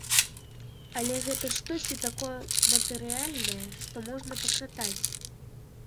Але гэта штосьці такое матэрыяльнае, што можна пакратаць?